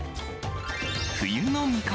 冬の味覚！